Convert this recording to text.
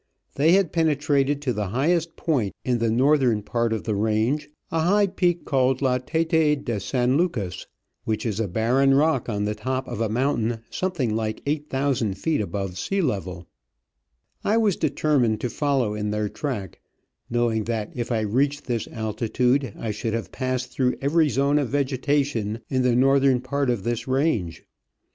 They had penetrated to the highest point in the northern part of the radge — a high peak called La T6t6 de San Lucas, which is a barren rock on the top of a mountain some Digitized by VjOOQIC 172 Travels and Adventures thing like eight thousand feet above sea level. I was determined to follow in their track, knowing that if I reached this altitude I should have passed through every zone of vegetation in the northern part of this range.